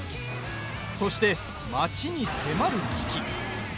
そして町に迫る危機。